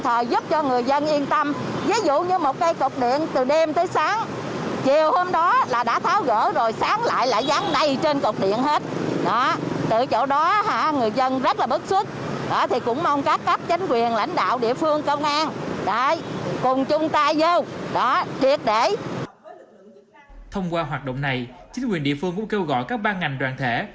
thông qua hoạt động này chính quyền địa phương cũng kêu gọi các ban ngành đoàn thể